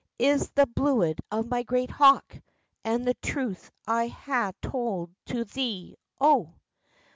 It is the bluid of my great hawk, And the truth I hae tald to thee, O."